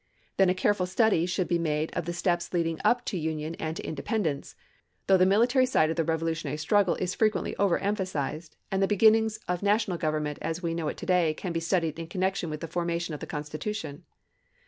Then a careful study should be made of the steps leading up to union and to independence, though the military side of the revolutionary struggle is frequently over emphasized, and the beginnings of national government as we know it to day can be studied in connection with the formation of the constitution.